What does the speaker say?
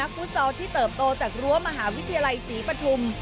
ฟุตซอลที่เติบโตจากรั้วมหาวิทยาลัยศรีปฐุม